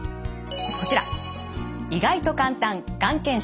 こちら。